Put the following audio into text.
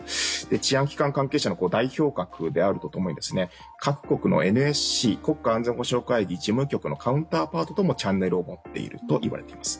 治安機関関係者の代表格であるとともに各国のＮＳＣ・国家安全保障会議事務局のカウンターパートともチャンネルを持っているともいわれます。